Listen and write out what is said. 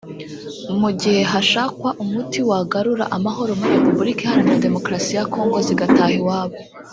mu gihe hashakwa umuti wagarura amahoro muri Repubulika iharanira demokarasi ya Kongo zigataha iwabo